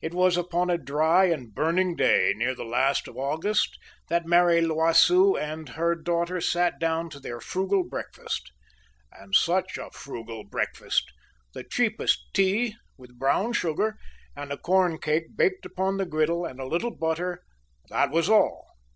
It was upon a dry and burning day, near the last of August, that Mary L'Oiseau and her daughter sat down to their frugal breakfast. And such a frugal breakfast! The cheapest tea, with brown sugar, and a corn cake baked upon the griddle, and a little butter that was all!